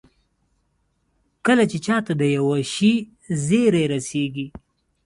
کله چې چا ته د يوه شي زېری رسېږي.